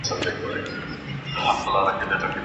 اوس به څوک په لپو لپو د پېغلوټو دیدن غلا کړي